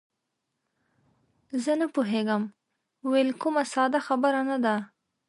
زه نه پوهېږم ویل، کومه ساده خبره نه ده.